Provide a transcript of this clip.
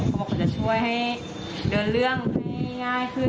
บางคนจะช่วยให้เดินเรื่องให้ง่ายขึ้น